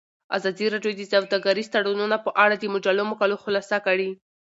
ازادي راډیو د سوداګریز تړونونه په اړه د مجلو مقالو خلاصه کړې.